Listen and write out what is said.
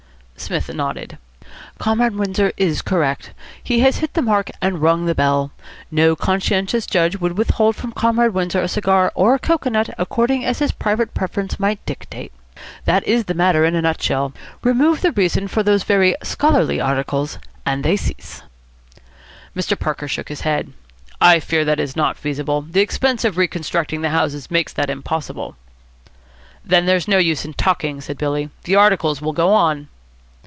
Psmith nodded. "Comrade Windsor is correct. He has hit the mark and rung the bell. No conscientious judge would withhold from Comrade Windsor a cigar or a cocoanut, according as his private preference might dictate. That is the matter in a nutshell. Remove the reason for those very scholarly articles, and they cease." Mr. Parker shook his head. "I fear that is not feasible. The expense of reconstructing the houses makes that impossible." "Then there's no use in talking," said Billy. "The articles will go on."